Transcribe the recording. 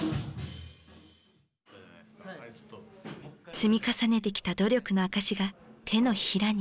積み重ねてきた努力の証しが手のひらに。